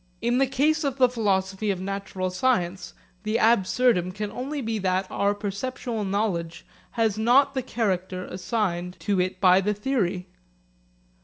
In the case of the philosophy of natural science the 'absurdum' can only be that our perceptual knowledge has not the character assigned to it by the theory.